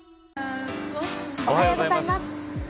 おはようございます。